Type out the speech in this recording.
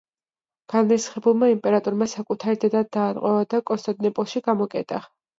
განრისხებულმა იმპერატორმა საკუთარი დედა დაატყვევა და კონსტანტინოპოლში გამოკეტა.